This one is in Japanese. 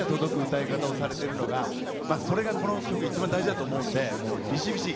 歌い方をされているのがそれが、この曲一番大事だと思うのでびしびし